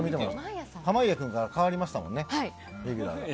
濱家君から変わりましたもんね、レギュラー。